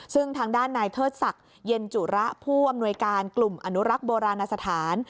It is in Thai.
ซึ่งทางด้านนายเทิดศักดิ์เย็นจุระผู้อำนวยการกลุ่มอนุรักษ์โบราณสถาน